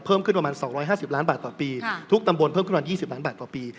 เพิ่มขึ้นประมาณ๒๕๐ล้านบาทต่อปีทุกตำบลเพิ่มขึ้นมา๒๐ล้านบาทต่อปี